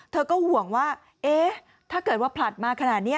เธอก็ห่วงว่าเอ๊ะถ้าเกิดว่าผลัดมาขนาดนี้